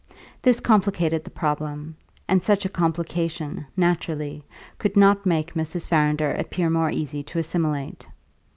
This complicated the problem, and such a complication, naturally, could not make Mrs. Farrinder appear more easy to assimilate.